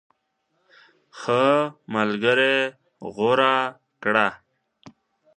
ښه ملګری غوره کړه.